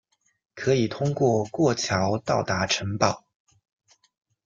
可以通过过桥到达城堡。